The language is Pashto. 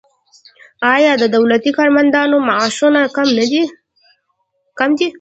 آیا د دولتي کارمندانو معاشونه کم دي؟